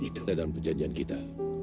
itu tidak ada dalam perjanjian kita